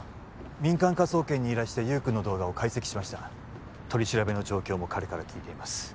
民間科捜研に依頼して優君の動画を解析しました取り調べの状況も彼から聞いています